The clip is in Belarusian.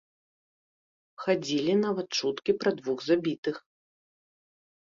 Хадзілі нават чуткі пра двух забітых.